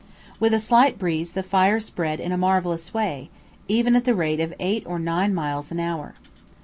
With a slight breeze the fires spread in a marvellous way, even at the rate of eight or nine miles an hour.